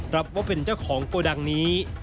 รับว่าเป็นเจ้าของโกดังนี้